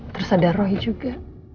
terus ada roy juga